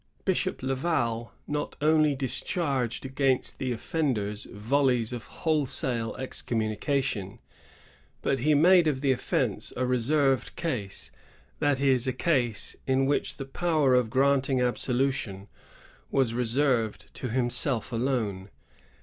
^ Bishop Laval not only discharged against the offenders volleys of wholesale excommu nication, but he made of the offence a reserved case ;" that is, a case in which the power of granting absolution was reserved to himself alone.